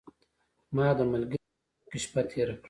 ما د ملګري په کور کې شپه تیره کړه .